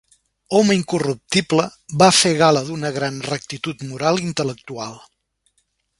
Home incorruptible, va fer gala d'una gran rectitud moral i intel·lectual.